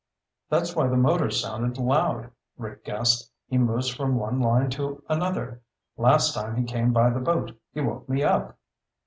"That's why the motor sounded loud," Rick guessed. "He moves from one line to another. Last time he came by the boat he woke me up."